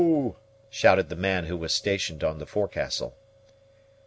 shouted the man who was stationed on the forecastle.